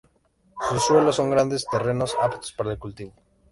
Sus suelos son grandes terrenos aptos para el cultivo.